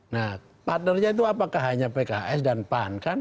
nah partnernya itu apakah hanya pks dan pan kan